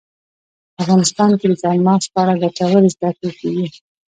په افغانستان کې د چار مغز په اړه ګټورې زده کړې کېږي.